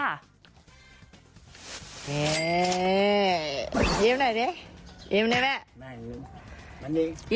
เฮ่ยยิ้มหน่อยดิ